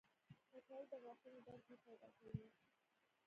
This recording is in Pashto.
کچالو د غاښونو درد نه پیدا کوي